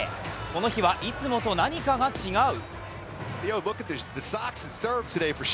この日はいつもと何かが違う。